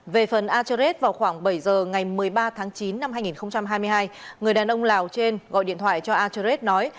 về phần a choret vào khoảng bảy giờ ngày một mươi ba tháng chín năm hai nghìn hai mươi hai người đàn ông lào trên gọi điện thoại cho a choret nói